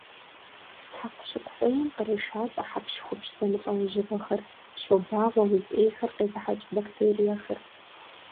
Хьэкъущыкъу фӀейм кърешалӀэ хьэпщхупщ зэмылӀэужьыгъуэхэр, щобагъуэ уз Ӏейхэр къезыхьэкӀ бактериехэр.